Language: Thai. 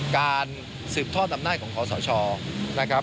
การสืบทอดอำนาจของขอสชนะครับ